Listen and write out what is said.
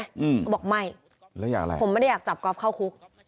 เขาบอกไม่ผมไม่ได้อยากจับก๊อฟเข้าคุก